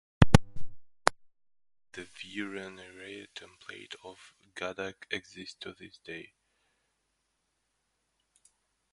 A pillar in the Veera Narayana temple of Gadag exists to this day.